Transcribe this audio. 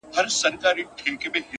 په دې پوهېږمه چي ستا د وجود سا به سم’